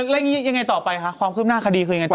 แล้วยังไงต่อไปค่ะความคืบหน้าคดีคือยังไงต่อไป